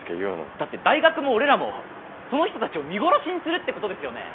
だって大学も俺らもその人たちを見殺しにするってことですよね。